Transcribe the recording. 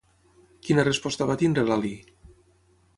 Quina resposta va tenir Lalí?